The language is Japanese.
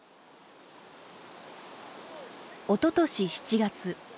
おととし７月。